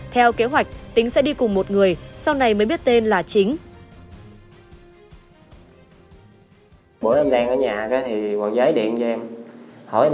theo kế hoạch tính sẽ đi cùng một người sau này mới biết tên là chính